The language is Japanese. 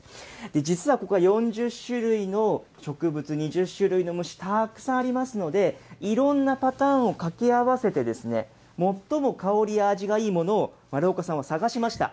実はここは、４０種類の植物、２０種類の虫、ありますので、いろんなパターンをかき合わせて、最も香りが、味がいいものを丸岡さんは探しました。